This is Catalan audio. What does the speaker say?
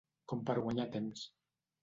Com per guanyar temps.